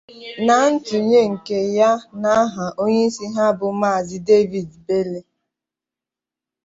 Na ntụnye nke ya n'aha onyeisi ha bụ Maazị David Bille